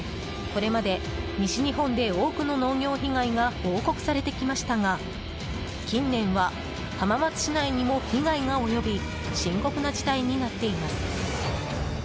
これまで西日本で多くの農業被害が報告されてきましたが近年は、浜松市内にも被害が及び深刻な事態になっています。